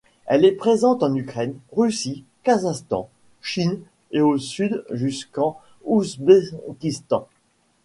Elle est présente en Ukraine, Russie, Kazakhstan, Chine et au sud jusqu'en Ouzbékistan.